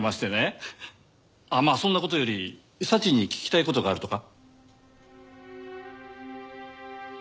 あっまあそんな事より祥に聞きたい事があるとか？